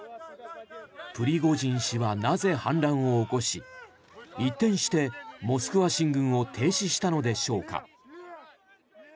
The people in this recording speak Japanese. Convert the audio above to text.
プリゴジン氏はなぜ反乱を起こし一転してモスクワ進軍を停止したのでしょうか。